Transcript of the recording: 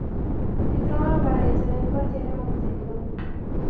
Si trova a Varese, nel quartiere Montello.